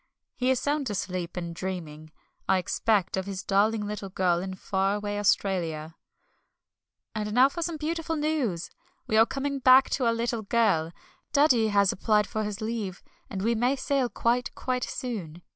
He is sound asleep, and dreaming, I expect, of his darling little girl in far away Australia. And now for some beautiful news! We are coming back to our little girl. Daddy has applied for his leave, and we may sail quite, quite soon.